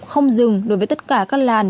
không dừng đối với tất cả các làn